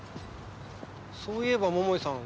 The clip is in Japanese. そういえば桃井さん